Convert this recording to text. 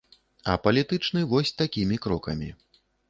А палітычны вось такімі крокамі.